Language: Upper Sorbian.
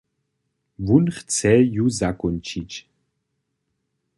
Wón chce ju zakónčić.